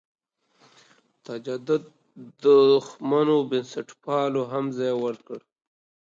تجدد دښمنو بنسټپالو هم ځای ورکړ.